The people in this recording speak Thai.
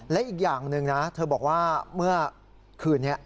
และอีกอย่างหนึ่งนะเธอบอกว่าเมื่อคืนนี้